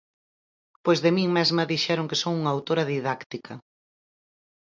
Pois de min mesma dixeron que son unha autora didáctica.